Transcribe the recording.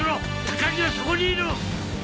高木はそこにいる！